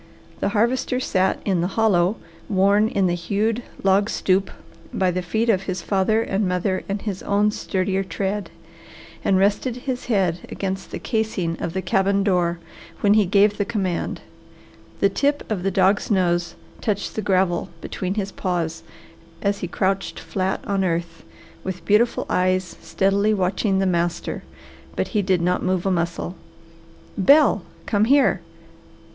The Harvester sat in the hollow worn in the hewed log stoop by the feet of his father and mother and his own sturdier tread, and rested his head against the casing of the cabin door when he gave the command. The tip of the dog's nose touched the gravel between his paws as he crouched flat on earth, with beautiful eyes steadily watching the master, but he did not move a muscle. "Bel, come here!"